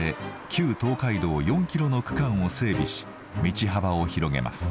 旧東海道４キロの区間を整備し道幅を広げます。